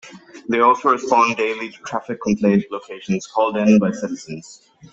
They also respond daily to traffic complaint locations called in by citizens.